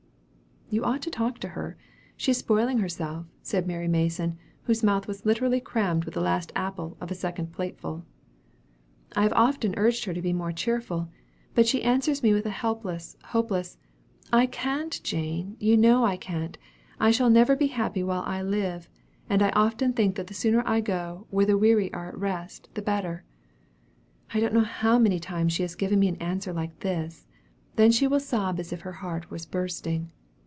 '" "You ought to talk to her, she is spoiling herself," said Mary Mason, whose mouth was literally crammed with the last apple of a second plateful. "I have often urged her to be more cheerful. But she answers me with a helpless, hopeless, 'I can't Jane! you know I can't. I shall never be happy while I live; and I often think that the sooner I go where "the weary are at rest," the better.' I don't know how many times she has given me an answer like this. Then she will sob as if her heart were bursting.